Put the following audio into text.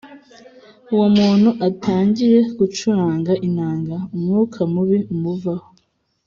Uwo muntu atangiye gucuranga inanga umwuka mubi umuvaho